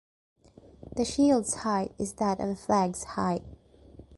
The shield's height is that of the flag's height.